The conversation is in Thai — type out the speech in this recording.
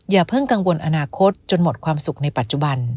อย่าเพิ่งกังวลอนาคตจนหมดความสุขในปัจจุบัน